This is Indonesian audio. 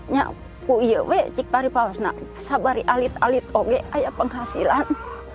nyaku iya weh cik taripawas sabari alit alit oke ayah penghasilan